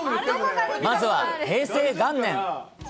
まずは平成元年。